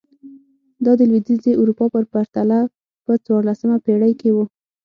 دا د لوېدیځې اروپا په پرتله په څوارلسمه پېړۍ کې و.